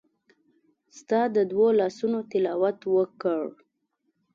ستا د دوو لاسونو تلاوت وکړ